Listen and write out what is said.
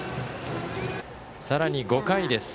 さらに、５回です。